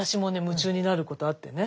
夢中になることあってね。